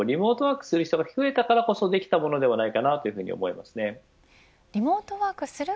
いつも言うのはリモートワークする人が増えたからこそできたものではないかと思いますね。